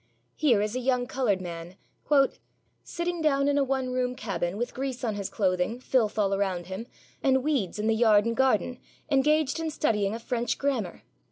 Here is a young coloured man, 'sitting down in a one room cabin, with grease on his clothing, filth all around him, and weeds in the yard and garden, engaged in studying a French grammar!'